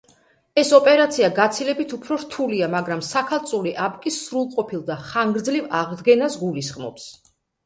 ეს ოპერაცია გაცილებით უფრო რთულია, მაგრამ საქალწულე აპკის სრულყოფილ და ხანგრძლივ აღდგენას გულისხმობს.